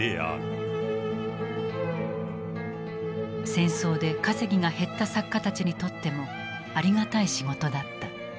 戦争で稼ぎが減った作家たちにとってもありがたい仕事だった。